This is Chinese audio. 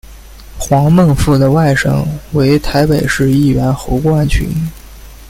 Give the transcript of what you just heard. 黄孟复的外甥为台北市议员侯冠群。